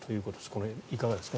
これ、いかがですか。